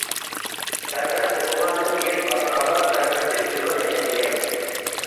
پەرزەنت تۇغۇلغاندىن كېيىن، ئاتا-ئانا پەرزەنتى ئۈچۈنلا ياشايدىكەن.